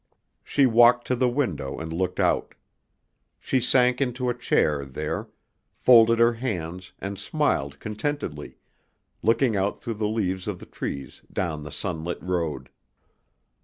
She walked to the window and looked out. She sank into a chair there, folded her hands and smiled contentedly, looking out through the leaves of the trees down the sunlit road.